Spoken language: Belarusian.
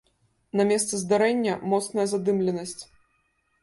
На месцы здарэння моцная задымленасць.